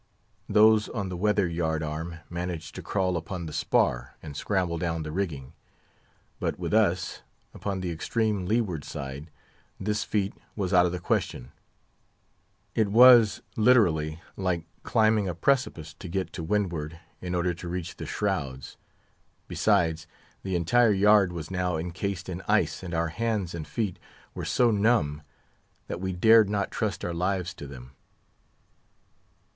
Those on the weather yard arm managed to crawl upon the spar and scramble down the rigging; but with us, upon the extreme leeward side, this feat was out of the question; it was, literary, like climbing a precipice to get to wind ward in order to reach the shrouds: besides, the entire yard was now encased in ice, and our hands and feet were so numb that we dared not trust our lives to them.